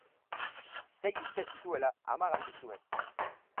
Sei urte zituela ama galdu zuen.